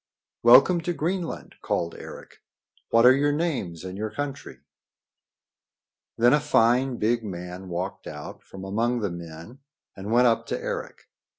"Welcome to Greenland!" called Eric. "What are your names and your country?" Then a fine, big man walked out from among the men and went up to Eric.